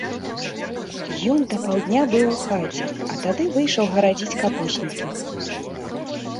Ён да паўдня быў у хаце, а тады выйшаў гарадзіць капуснікі.